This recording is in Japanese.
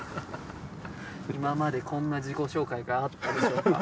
今までこんな自己紹介があったでしょうか。